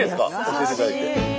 教えていただいて。